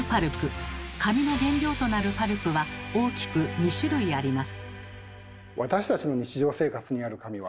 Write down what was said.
紙の原料となるパルプは大きく２種類あります。